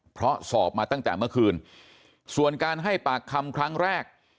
เพราะสอบมาตั้งแต่เมื่อคืนส่วนการให้ปากคำครั้งแรก